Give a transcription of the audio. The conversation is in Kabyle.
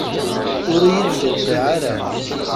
Ur yi-d-tuqiɛ ara.